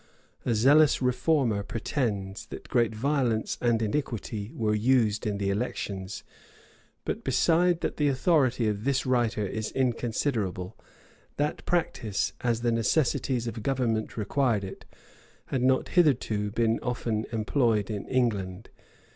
A zealous reformer[] pretends, that great violence and iniquity were used in the elections; but, besides that the authority of this writer is inconsiderable, that practice, as the necessities of government seldom required it, had not hitherto been often employed in England.